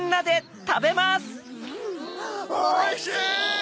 おいしい！